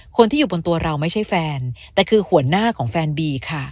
คนที่อยู่บนตัวเราไม่ใช่แฟนแต่คือหัวหน้าของแฟนบีค่ะ